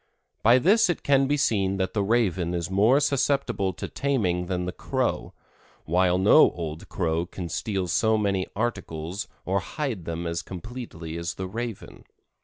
By this it can be seen that the Raven is more susceptible to taming than the Crow, while no old Crow can steal so many articles or hide them as completely as the Raven.